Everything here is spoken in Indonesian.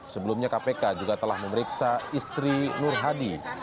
sebelumnya kpk juga telah memeriksa istri nur hadi